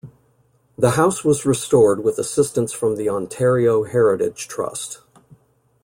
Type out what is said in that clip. The house was restored with assistance from the Ontario Heritage Trust.